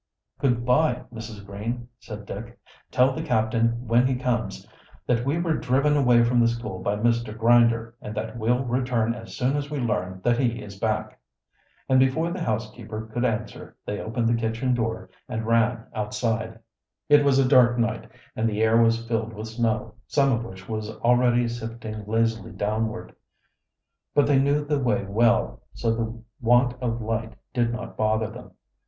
"Good by, Mrs. Green," said Dick. "Tell the captain when he comes that we were driven away from the school by Mr. Grinder, and that we'll return as soon as we learn that he is back." And before the housekeeper could answer they opened the kitchen door and ran outside. It was a dark night and the air was filled with snow, some of which was already sifting lazily downward. But they knew the way well, so the want of light did hot bother them.